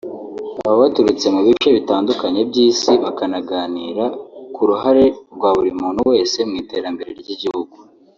baba baturutse mu bice bitandukanye by’Isi bakaganira ku ruhare rwa buri wese mu iterambere ry’Igihugu